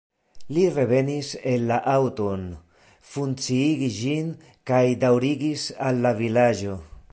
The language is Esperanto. Li revenis en la aŭton, funkciigis ĝin kaj daŭrigis al la vilaĝo.